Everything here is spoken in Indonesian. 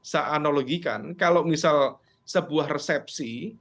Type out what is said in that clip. saya analogikan kalau misal sebuah resepsi